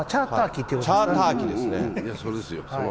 チャーター機ですね。